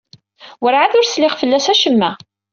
Werɛad ur sliɣ fell-as acemma.